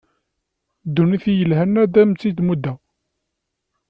Ddunit i yelhan ad am-tt-id muddeɣ.